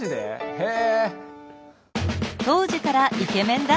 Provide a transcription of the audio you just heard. へえ！